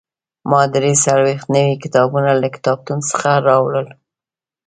ما درې څلوېښت نوي کتابونه له کتابتون څخه راوړل.